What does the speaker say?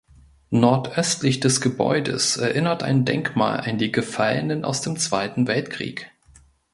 Nordöstlich des Gebäudes erinnert ein Denkmal an die Gefallenen aus dem Zweiten Weltkrieg.